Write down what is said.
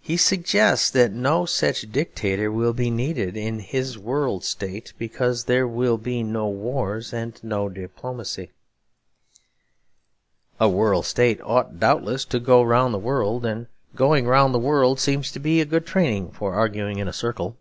He suggests that no such dictator will be needed in his World State because 'there will be no wars and no diplomacy.' A World State ought doubtless to go round the world; and going round the world seems to be a good training for arguing in a circle.